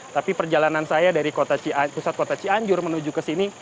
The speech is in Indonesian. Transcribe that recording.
tapi perjalanan saya dari pusat kota cianjur menuju ke sini